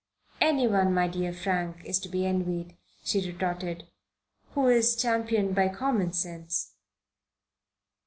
"Anyone, my dear Frank, is to be envied," she retorted, "who is championed by common sense."